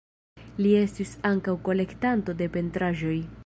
Li estis ankaŭ kolektanto de pentraĵoj.